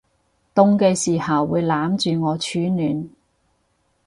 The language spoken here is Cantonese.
凍嘅時候會攬住我取暖